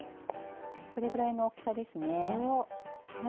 これぐらいの大きさですね。